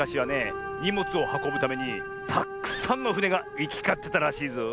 にもつをはこぶためにたっくさんのふねがいきかってたらしいぞ。